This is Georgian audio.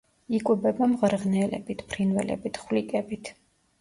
იკვებება მღრღნელებით, ფრინველებით, ხვლიკებით.